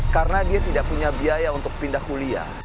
karena dia tidak punya biaya untuk pindah kuliah